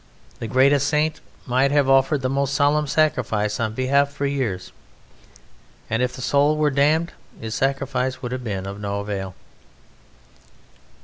The greatest saint might have offered the most solemn sacrifice on its behalf for years, and if the soul were damned his sacrifice would have been of no avail.